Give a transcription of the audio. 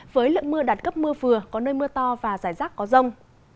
với lượng mưa đạt cấp mưa vừa có nơi mưa to và rải rác có rông